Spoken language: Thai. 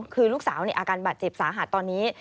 คือลูกสาวในอาการบาดเจ็บสาหัสตอนนี้